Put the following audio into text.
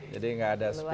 jadi gak ada space